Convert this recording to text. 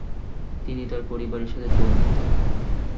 তিনি তার পরিবারের সাথে যোগ দিতেন।